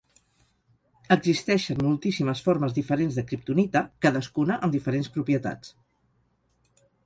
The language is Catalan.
Existeixen moltíssimes formes diferents de Kriptonita, cadascuna amb diferents propietats.